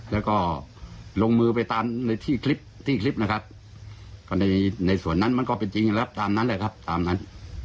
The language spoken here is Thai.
แล้วก็ลงมือไปตามที่คลิปในส่วนนั้นมันก็เป็นจริงอย่างนั้น